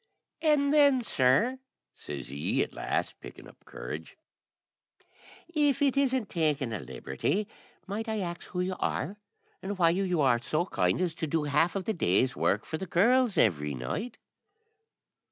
"An then, sir," says he, at last, picking up courage, "if it isn't taking a liberty, might I ax who you are, and why you are so kind as to do half of the day's work for the girls every night?"